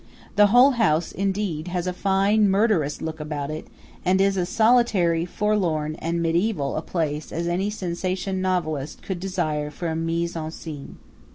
The whole house, indeed, has a fine murderous look about it, and is as solitary, forlorn, and mediæval a place as any sensation novelist could desire for a mise en scène.